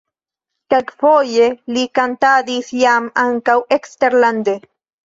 Kelkfoje li kantadis jam ankaŭ eksterlande.